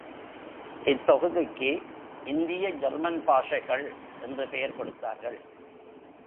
இத்தொகுதிக்கு, இந்திய ஜெர்மன் பாஷைகள் என்று பெயர் கொடுத்தார்கள்.